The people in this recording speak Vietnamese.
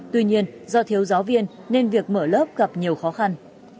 tuy nhiên do thiếu giáo viên nên việc mở lớp gặp nhiều khó khăn